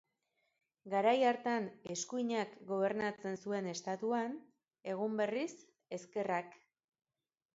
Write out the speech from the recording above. Garai hartan eskuinak gobernatzen zuen Estatuan, egun berriz, ezkerrak.